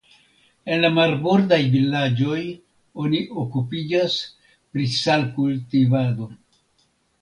En la marbordaj vilaĝoj oni okupiĝas pri salkultivado.